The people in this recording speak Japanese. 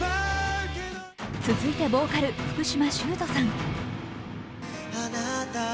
続いてボーカル、福嶌崇人さん。